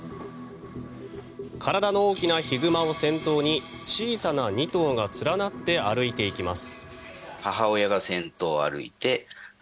体の大きなヒグマを先頭に小さな２頭が連なって歩いていきます。